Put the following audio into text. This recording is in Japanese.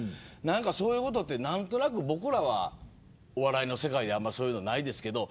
そういうことって何となく僕らはお笑いの世界はあんまりないですけど。